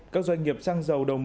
các doanh nghiệp sang giàu đầu mối